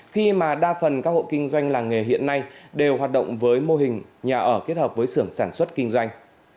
khi mà đa phần các hộ kinh doanh làng nghề hiện nay đều hoạt động với mô hình nhà ở kết hợp với sưởng sản xuất kinh doanh